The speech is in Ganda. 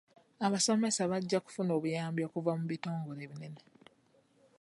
Abasomesa bajja kufuna obuyambi okuva mu bitongole ebinene.